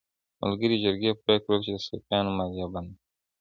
ملي جرګې پریکړه وکړه چې د صفویانو مالیه بنده کړي.